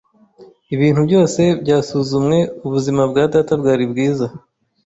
Ibintu byose byasuzumwe, ubuzima bwa data bwari bwiza.